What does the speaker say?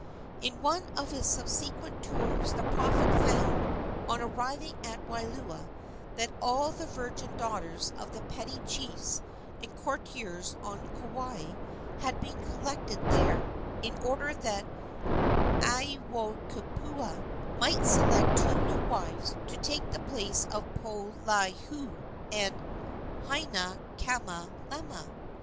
In one of his subsequent tours the prophet found, on arriving at Wailua, that all the virgin daughters of the petty chiefs and courtiers on Kauai had been collected there, in order that Aiwohikupua might select two new wives to take the places of Poliahu and Hinaikamalama.